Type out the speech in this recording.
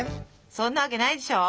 そんなわけないでしょ！